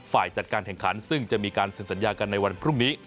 ฝ่ายจัดการแข่งขันซึ่งจะมีการเซ็นสัญญากันในวันพรุ่งนี้